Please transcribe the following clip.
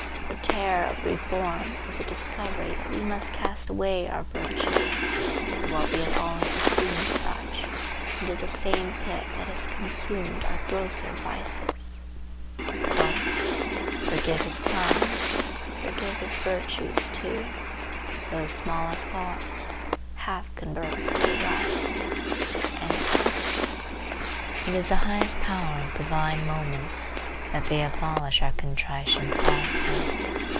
The terror of reform is the discovery that we must cast away our virtues, or what we have always esteemed such, into the same pit that has consumed our grosser vices:— "Forgive his crimes, forgive his virtues too, Those smaller faults, half converts to the right." It is the highest power of divine moments that they abolish our contritions also.